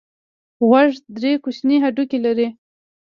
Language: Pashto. غوږ درې کوچني هډوکي لري.